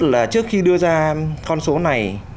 là trước khi đưa ra con số này